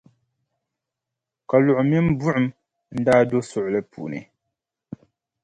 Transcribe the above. Kaluɣi mini buɣum n-daa do suɣuli puuni.